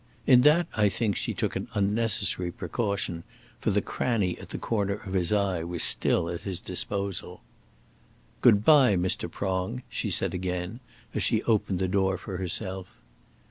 In that I think she took an unnecessary precaution, for the cranny at the corner of his eye was still at his disposal. "Good bye, Mr. Prong," she said again, as she opened the door for herself.